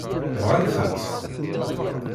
Bɣant-tt?